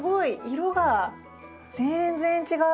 色が全然違う。